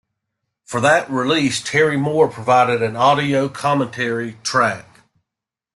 For that release, Terry Moore provided an audio commentary track.